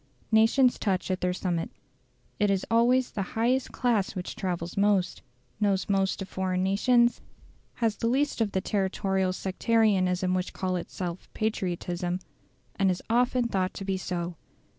Nations touch at their summits. It is always the highest class which travels most, knows most of foreign nations, has the least of the territorial sectarianism which calls itself patriotism, and is often thought to be so.